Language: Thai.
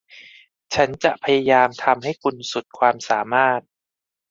ฉันจะพยายามทำให้คุณสุดความสามารถ